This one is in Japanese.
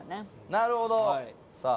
なるほどさあ